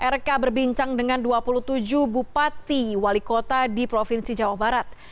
rk berbincang dengan dua puluh tujuh bupati wali kota di provinsi jawa barat